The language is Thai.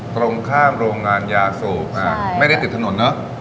ตรงข้ามโรงงานยาสูบไม่ได้ติดถนนเนอะ